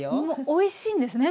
おいしいんですね